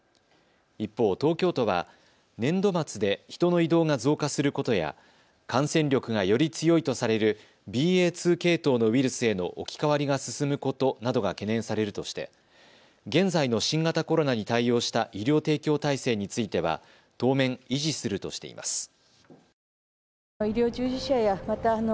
一方、東京都は年度末で人の移動が増加することや感染力がより強いとされるＢＡ．２系統のウイルスへの置き換わりが進むことなどが懸念されるとして現在の新型コロナに対応した医療提供体制については当面、維持するとしています。